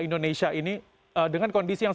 indonesia ini dengan kondisi yang